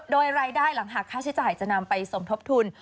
โดยรายได้หลังหากค่าใช้จ่ายจะนำไปสมทบทุน